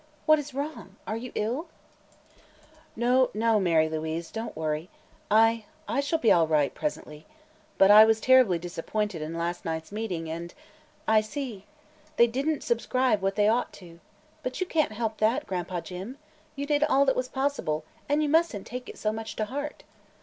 "What is wrong? Are you ill?" "No, no, Mary Louise; don't worry. I I shall be all right presently. But I was terribly disappointed in last night's meeting, and " "I see. They didn't subscribe what they ought to. But you can't help that, Gran'pa Jim! You did all that was possible, and you mustn't take it so much to heart."